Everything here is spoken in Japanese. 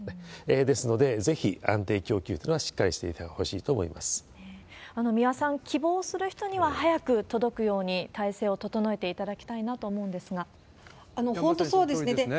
ですので、ぜひ安定供給っていうのはしっかりしてほしいと思いま三輪さん、希望する人には早く届くように体制を整えていただきたいなと思う本当そうですね。